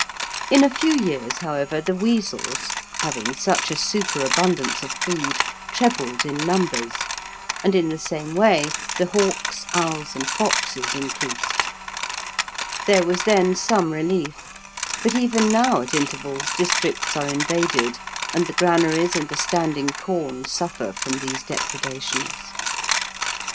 In a few years, however, the weasels, having such a superabundance of food, trebled in numbers, and in the same way the hawks, owls, and foxes increased. There was then some relief, but even now at intervals districts are invaded, and the granaries and the standing corn suffer from these depredations.